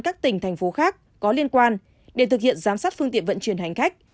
các tỉnh thành phố khác có liên quan để thực hiện giám sát phương tiện vận chuyển hành khách